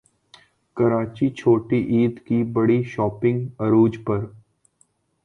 کراچی چھوٹی عید کی بڑی شاپنگ عروج پر